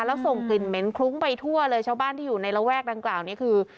แล้วส่งกลิ่นเหม็นคลุ้งไปทั่วเลยชาวบ้านที่อยู่ในระแวกดังกล่าวนี้คือ